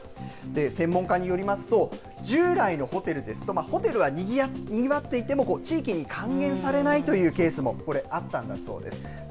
専門家によりますと、従来のホテルですと、ホテルはにぎわっていても、地域に還元されないというケースも、これ、あったんだそうです。